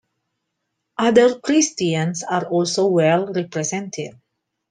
Other Christians are also well represented.